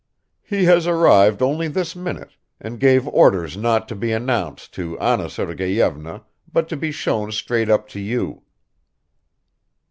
"He has arrived only this minute, and gave orders not to be announced to Anna Sergeyevna but to be shown straight up to you."